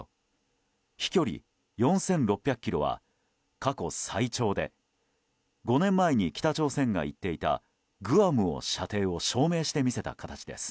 飛距離４６００ｋｍは過去最長で５年前に北朝鮮が言っていたグアムを射程を証明して見せた形です。